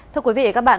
thưa quý vị các bạn